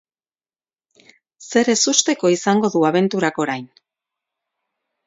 Zer ezusteko izango du abenturak orain?